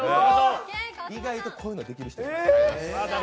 意外と、こういうのできる人。